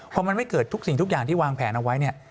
พอมันไม่เกิดทุกสิ่งทุกอย่างที่วางแผนเอาไว้เนี่ย